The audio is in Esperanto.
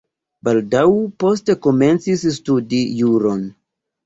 Baldaŭ poste komencis studi juron.